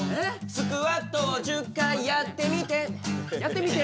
スクワットを１０回やってみてやってみて！？